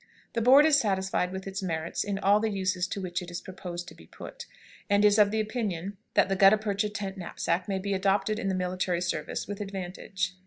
"The Board is satisfied with its merits in all the uses to which it is proposed to be put, and is of opinion that the gutta percha tent knapsack may be adopted in the military service with advantage."